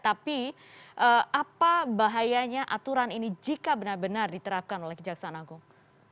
tapi apa bahayanya aturan ini jika benar benar diterapkan oleh kejaksaan agung